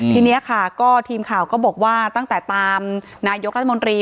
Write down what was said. ทีนี้ค่ะก็ทีมข่าวก็บอกว่าตั้งแต่ตามนายกรัฐมนตรี